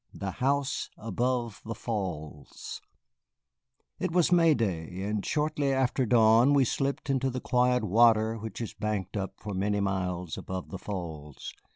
THE HOUSE ABOVE THE FALLS It was May day, and shortly after dawn we slipped into the quiet water which is banked up for many miles above the Falls.